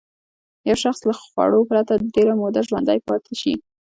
یو شخص له خوړو پرته ډېره موده ژوندی پاتې شي.